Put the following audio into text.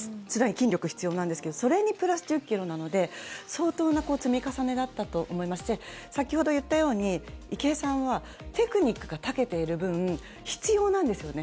筋力が必要なんですけどそれにプラス１０ｋｇなので相当な積み重ねだったと思いますし先ほど言ったように、池江さんはテクニックが長けている分必要なんですよね。